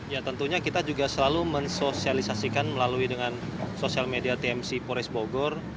ya tentunya kita juga selalu mensosialisasikan melalui dengan sosial media tmc pores bogor